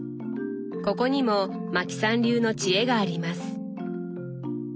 ここにもマキさん流の知恵があります。